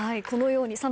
このように。